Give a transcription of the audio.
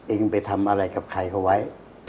เองไปทำอะไรกับใครเขาไว้